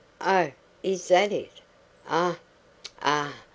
Oh, is THAT it? Ah, ah!